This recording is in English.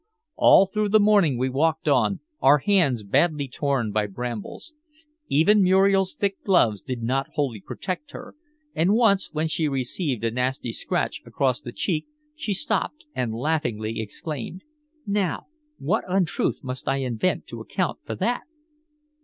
All through the morning we walked on, our hands badly torn by brambles. Even Muriel's thick gloves did not wholly protect her, and once when she received a nasty scratch across the cheek, she stopped and laughingly exclaimed: "Now what untruth must I invent to account for that?"